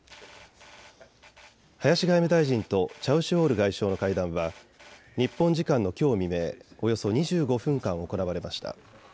林外務大臣とチャウシュオール外相の会談は日本時間のきょう未明、およそ２５分間、行われました。